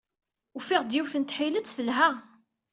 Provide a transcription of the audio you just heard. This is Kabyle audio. Ufiɣ-d yiwet n tḥilet telha.